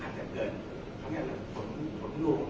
อาจจะเกิดขนลูก